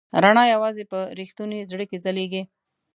رڼا یواځې په رښتوني زړه کې ځلېږي.